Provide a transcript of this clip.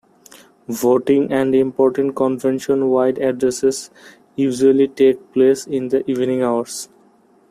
Voting and important convention-wide addresses usually take place in the evening hours.